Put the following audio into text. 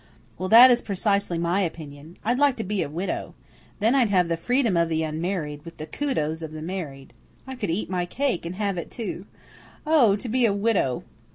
Well, that is precisely my opinion. I'd like to be a widow. Then I'd have the freedom of the unmarried, with the kudos of the married. I could eat my cake and have it, too. Oh, to be a widow!"